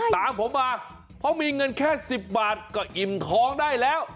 ตามผมมาเพราะมีเงินแค่๑๐บาทก็อิ่มท้องได้แล้ว